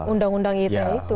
undang undang it itu